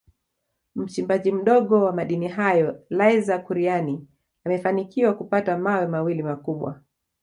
Mchimbaji mdogo wa madini hayo Laizer Kuryani amefanikiwa kupata mawe mawili makubwa